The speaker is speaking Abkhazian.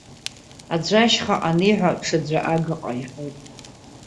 Аӡәы ашьхаҟа аниҳәо, ҽаӡәы агаҟа иҳәоит.